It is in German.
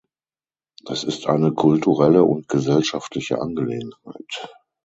Das ist eine kulturelle und gesellschaftliche Angelegenheit.